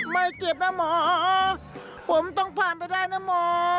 ไม่เจ็บนะหมอผมต้องผ่านไปได้นะหมอ